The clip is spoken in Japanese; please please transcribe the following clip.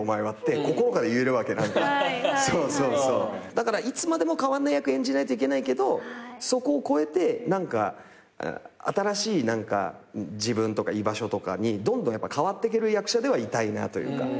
だからいつまでも変わんない役演じないといけないけどそこをこえて新しい自分とか居場所とかにどんどん変わっていける役者ではいたいなというか。